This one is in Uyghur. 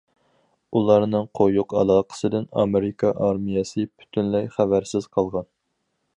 ئۇلارنىڭ قويۇق ئالاقىسىدىن ئامېرىكا ئارمىيەسى پۈتۈنلەي خەۋەرسىز قالغان.